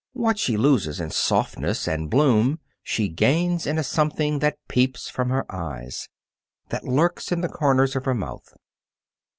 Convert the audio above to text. What she loses in softness and bloom she gains in a something that peeps from her eyes, that lurks in the corners of her mouth.